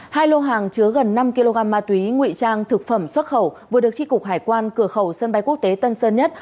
hai lô hàng chứa gần năm kg ma túy nguy trang thực phẩm xuất khẩu vừa được tri cục hải quan cửa khẩu sân bay quốc tế tân sơn nhất